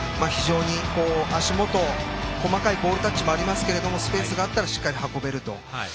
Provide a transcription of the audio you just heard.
足元、細かいボールタッチもありましたけどスペースがあったらしっかり運べる。